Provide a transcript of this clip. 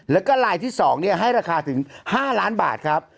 แล้วก็ลายที่๒ให้ราคาถึง๕ล้านบาทครับ